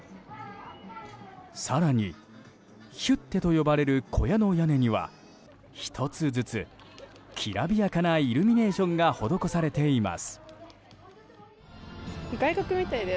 更に、ヒュッテと呼ばれる小屋の屋根には１つずつ、きらびやかなイルミネーションが施されています。